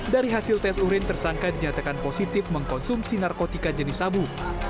dari hasil tes urin tersangka dinyatakan positif mengkonsumsi narkotika jenis sabu